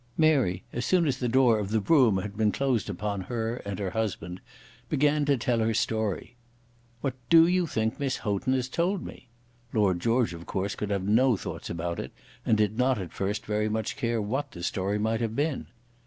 Mary, as soon as the door of the brougham had been closed upon her, and her husband, began to tell her story. "What do you think Miss Houghton has told me?" Lord George, of course, could have no thoughts about it, and did not at first very much care what the story might have been.